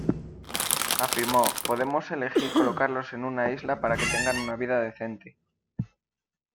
Afirmó: "Podemos elegir colocarlos en una isla para que tengan una vida decente"